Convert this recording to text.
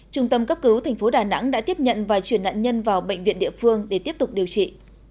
trung tâm cấp cứu tp đà nẵng đã tiếp nhận và chuyển nạn nhân vào bệnh viện địa phương để tiếp tục điều trị